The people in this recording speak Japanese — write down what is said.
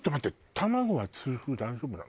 卵は痛風大丈夫なの？